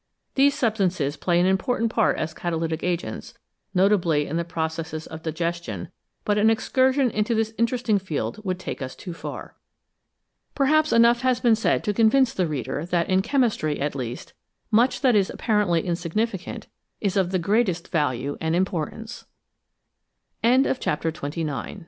These substances play an important part as catalytic agents, notably in the processes of digestion, but an excursion into this interesting field would take us too far. Perhaps enough has been said to convince the reader that in chemistry, at least, much that is apparently insignificant is of the